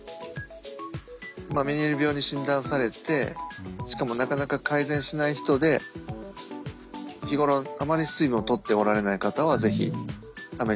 メニエール病に診断されてしかもなかなか改善しない人で日頃あまり水分をとっておられない方は是非試していただきたいと思います。